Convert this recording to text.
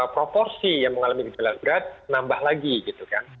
proporsi yang mengalami gejala berat nambah lagi gitu kan